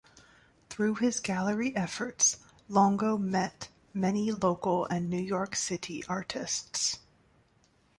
Through his gallery efforts, Longo met many local and New York City artists.